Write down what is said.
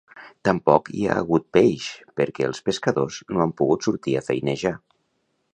Tampoc hi ha hagut peix perquè els pescadors no han pogut sortir a feinejar